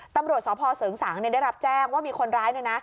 ตำรวจสพเสริงสางได้รับแจ้งว่ามีคนร้ายเนี่ยนะ